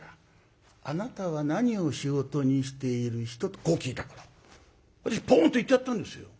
「あなたは何を仕事にしている人？」とこう聞いたから私ポンと言ってやったんですよ。